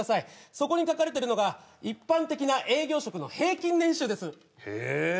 そこに書かれてるのが一般的な営業職の平均年収ですへえ